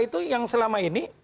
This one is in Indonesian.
itu yang selama ini